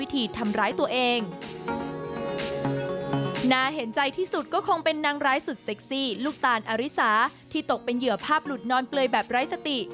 ที่ตกเป็นเหยื่อภาพหลุดนอนเปลยแบบไร้สติ